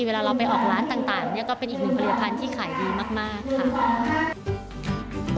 เวลาเราไปออกร้านต่างเนี่ยก็เป็นอีกหนึ่งผลิตภัณฑ์ที่ขายดีมากค่ะ